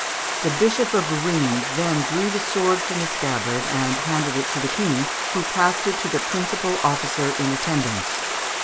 The Archbishop of Rheims then drew the sword from the scabbard and handed it to the King, who passed it to the principal officer in attendance.